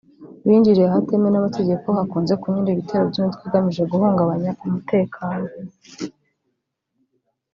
binjiriye ahatemewe n’amategeko hakunze kunyura ibitero by’imitwe igamije guhungabanya umutekano